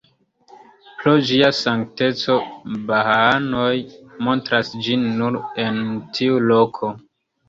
Pro ĝia sankteco bahaanoj montras ĝin nur en tiu loko.